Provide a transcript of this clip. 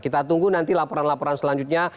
kita tunggu nanti laporan laporan selanjutnya